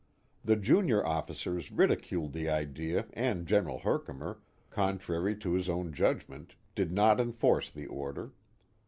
The junior officers ridiculed the idea and General Herkimer, contrary to his own judgment, did not enforce the order.